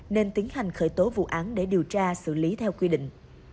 nên tiến hành khởi tố vụ án để điều tra xử lý theo quy định